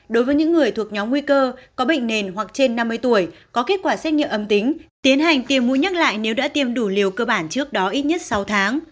đối với những người thuộc nhóm nguy cơ có bệnh nền hoặc trên năm mươi tuổi có kết quả xét nghiệm âm tính tiến hành tiêm mũi nhắc lại nếu đã tiêm đủ liều cơ bản trước đó ít nhất sáu tháng